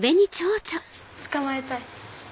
捕まえたい。